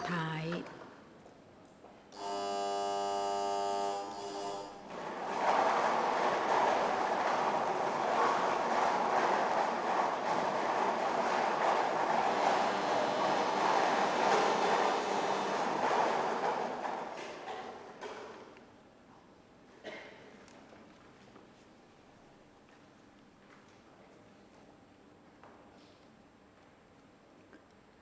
หมายเลข๕๖